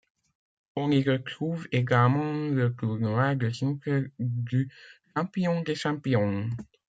On y retrouve également le tournoi de snooker du Champion des champions.